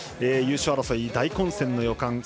優勝争い、大混戦の予感。